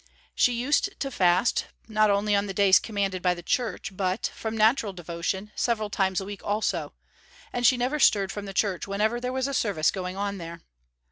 She used to fast not only on the days commanded by the Church, but, from natural devotion, several times a week also; and she never stirred from the church whenever there was a service going on there.